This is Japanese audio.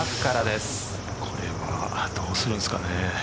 これはどうするんですかね。